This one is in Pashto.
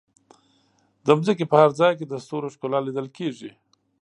د ځمکې په هر ځای کې د ستورو ښکلا لیدل کېږي.